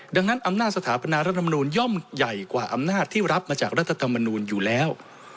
ดังนั้นอำนาจสถาปนารัฐมนูลย่อมใหญ่กว่าอำนาจที่รับมาจากรัฐธรรมนูลอยู่แล้ว